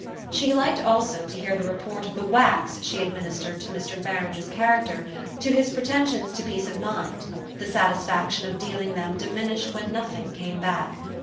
She liked also to hear the report of the whacks she administered to Mr. Farange's character, to his pretensions to peace of mind: the satisfaction of dealing them diminished when nothing came back.